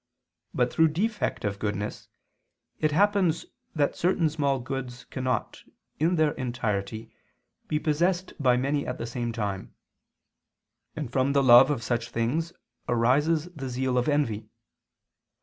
But through defect of goodness, it happens that certain small goods cannot, in their entirety, be possessed by many at the same time: and from the love of such things arises the zeal of envy.